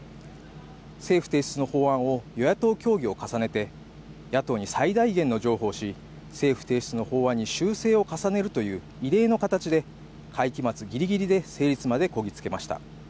政府提出の法案を与野党協議を重ねて野党に最大限の譲歩をし政府提出の法案に修正を重ねるという異例の形で会期末ギリギリで成立までこぎつけました。